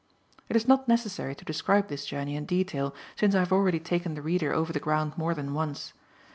It is not necessary to describe this journey in detail since I have already taken the reader over the ground more than once.